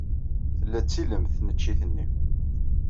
Tella d tilemt tneččit-nni.